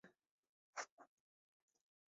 Migodi na uvuvi baharini ni muhimu.